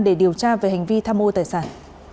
để điều tra về hành vi tham mô tài sản